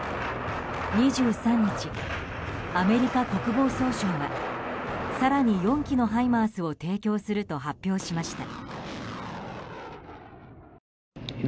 ２３日、アメリカ国防総省は更に４基のハイマースを提供すると発表しました。